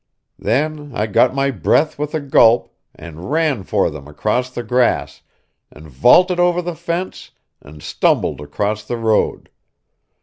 Then I got my breath with a gulp, and ran for them across the grass, and vaulted over the fence, and stumbled across the road.